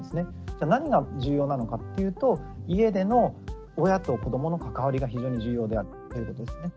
じゃあ何が重要なのかっていうと家での親と子どもの関わりが非常に重要であるということですね。